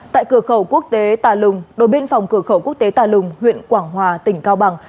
tại cửa khẩu quốc tế tà lùng đồn biên phòng cửa khẩu quốc tế tà lùng huyện quảng hòa tỉnh cao bằng